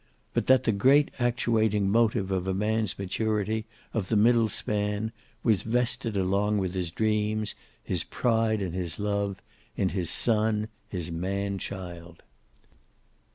But that the great actuating motive of a man's maturity, of the middle span, was vested along with his dreams, his pride and his love, in his son, his man child.